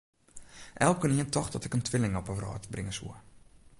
Elkenien tocht dat ik in twilling op 'e wrâld bringe soe.